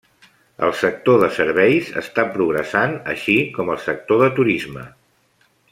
El sector de serveis està progressant així com el sector de turisme.